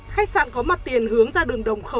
khách sạn có mặt tiền hướng ra đường đồng khởi